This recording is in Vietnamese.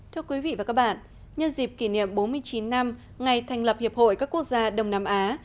thưa quý vị và các bạn nhân dịp kỷ niệm bốn mươi chín năm ngày thành lập hiệp hội các quốc gia đông nam á